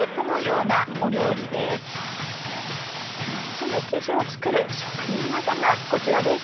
その生地を作る職人技がこちらです。